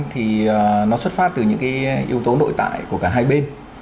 thì nó xuất phát từ những cái yếu tố nội tại của cả hai bên